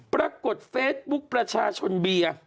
ปรากฏเฟซบุ๊คประชาชนเบียร์